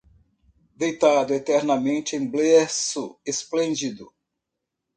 Deitado eternamente em berço esplêndido